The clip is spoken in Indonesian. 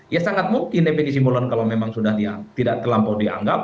ya sangat mungkin fnd simbolon kalau memang sudah tidak terlampau dianggap